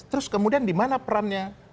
terus kemudian dimana perannya